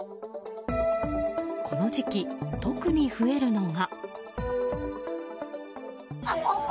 この時期、特に増えるのが。